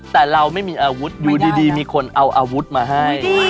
แต่เราไม่มีอาวุธอยู่ดีมีคนเอาอาวุธมาให้